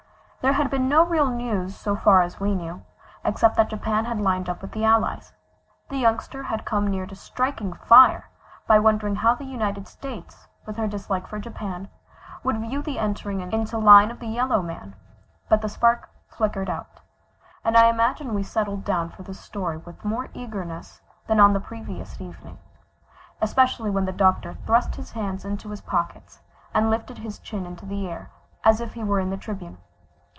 There had been no real news so far as we knew, except that Japan had lined up with the Allies. The Youngster had come near to striking fire by wondering how the United States, with her dislike for Japan, would view the entering into line of the yellow man, but the spark flickered out, and I imagine we settled down for the story with more eagerness than on the previous evening, especially when the Doctor thrust his hands into his pockets and lifted his chin into the air, as if he were in the tribune.